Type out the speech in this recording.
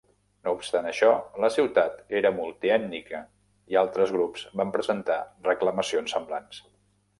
No obstant això, la ciutat era multiètnica i altres grups van presentar reclamacions semblants.